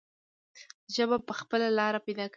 ژبه به خپله لاره پیدا کوي.